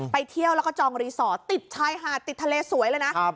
ไปเที่ยวแล้วก็จองรีสอร์ตติดทะเลสวยเลยนะ